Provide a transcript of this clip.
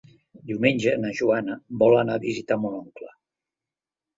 Diumenge na Joana vol anar a visitar mon oncle.